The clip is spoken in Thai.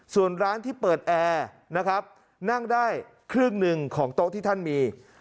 ส่วนร้านที่เปิดแอร์นะครับนั่งได้ครึ่งหนึ่งของโต๊ะที่ท่านมี